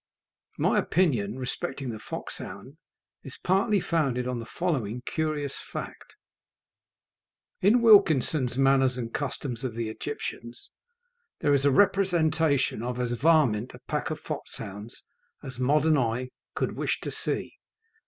My opinion respecting the foxhound is partly founded on the following curious fact: In Wilkinson's "Manners and Customs of the Egyptians," there is a representation of as varmint a pack of foxhounds as modern eye could wish to see.